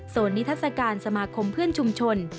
ส่วนนิทัศกาลสมาคมเพื่อนชุมชน